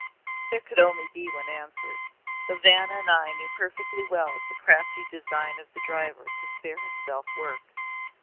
There could be only one answer, though Vanna and I knew perfectly well the crafty design of the driver to spare himself work.